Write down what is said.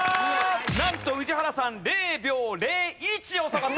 なんと宇治原さん０秒０１遅かった。